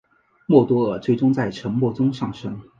默多克最终在沉没中丧生。